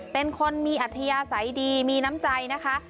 เป็นคนมีอัธยาศัยดีมีน้ำใจนะคะ